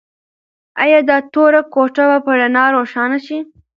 ایا دا توره کوټه به په رڼا روښانه شي؟